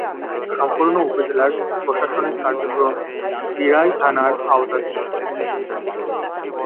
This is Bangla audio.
সম্পূর্ণ উপজেলার প্রশাসনিক কার্যক্রম দিরাই থানার আওতাধীন।